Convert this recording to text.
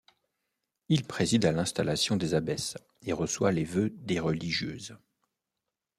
Il préside à l'installation des abbesses et reçoit les vœux des religieuses.